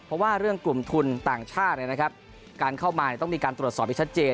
เพราะว่าเรื่องกลุ่มทุนต่างชาติการเข้ามาต้องมีการตรวจสอบให้ชัดเจน